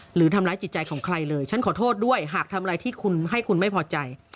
หรือทำร้ายจิตใจของใครเลยฉันขอโทษด้วยหากทำอะไรที่คุณให้คุณไม่พอใจ